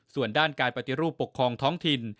ส่วนด้านการปฏิรูปปกครองท้องถิ่น